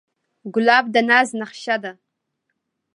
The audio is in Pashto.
ګلاب د ناز نخښه ده.